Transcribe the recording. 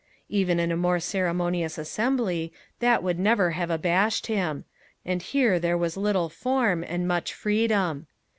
Even in a more ceremonious assembly, that would never have abashed him; and here there was little form, and much freedom.